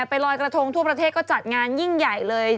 ไปลอยกระทงทั่วประเทศก็จัดงานยิ่งใหญ่เลย